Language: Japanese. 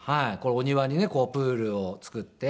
お庭にねプールを作って。